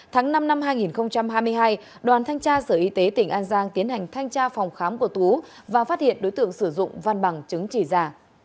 tháng năm năm hai nghìn hai mươi hai đoàn thanh tra sở y tế tỉnh an giang tiến hành thanh tra phòng khám của tú và phát hiện đối tượng sử dụng văn bằng chứng chỉ giả